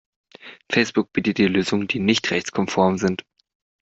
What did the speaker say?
Facebook bietet dir Lösungen die nicht rechtskonform sind.